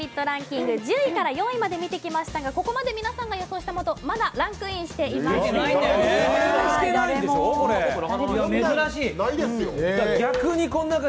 ランキング、１０位から４位まで見てきましたがここまで皆さんが予想したもの、まだランクインしていません。